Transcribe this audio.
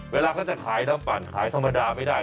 เวลาเขาจะขายน้ำปั่นขายธรรมดาไม่ได้